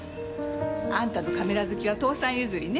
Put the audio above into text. あんたのカメラ好きは父さん譲りね。